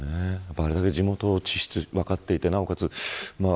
あれだけ地元を分かっていて、なおかつ